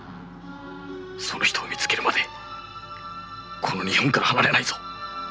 その人を見つけるまでこの日本から離れないぞ。